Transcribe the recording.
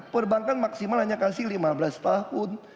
perbankan maksimal hanya kasih lima belas tahun